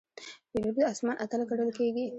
پیلوټ د آسمان اتل ګڼل کېږي.